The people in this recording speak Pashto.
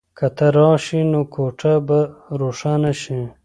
که ته راشې نو کوټه به روښانه شي.